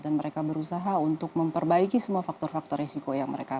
dan mereka berusaha untuk memperbaiki semua faktor faktor risiko yang mereka ada